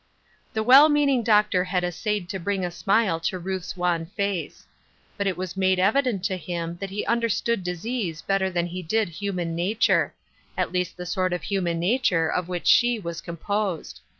The well meaning doctor had essayed to bring 1 smile to Ruth's wan face ; but it was made evident to him that he understood disease better than he did human nature — at least the sort of human nature of which she was composed.